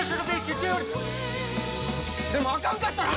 でも、あかんかったら！？